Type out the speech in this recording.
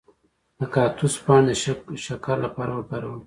د کاکتوس پاڼې د شکر لپاره وکاروئ